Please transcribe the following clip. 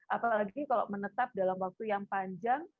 apalagi kalau menetap dalam waktu yang panjang